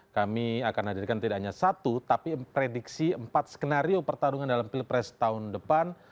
kami akan hadirkan tidak hanya satu tapi prediksi empat skenario pertarungan dalam pilpres tahun depan